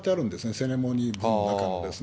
セレモニー部の中に。